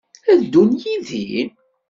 Ad ddun yid-i?